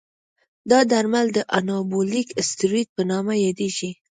دا درمل د انابولیک استروئید په نامه یادېږي.